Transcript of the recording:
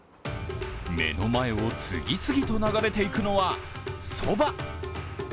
目の前を次々と流れていくのはそば。